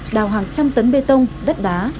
đào hàng trăm tấn bê tông đất đá